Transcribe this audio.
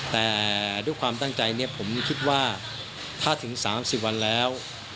แต่ด้วยความตั้งใจเนี่ยผมคิดว่าถ้าถึง๓๐วันแล้ว